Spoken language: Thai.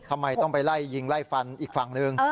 ทำไมต้องไปไล่ยิงไล่ฟันอีกฝั่งหนึ่ง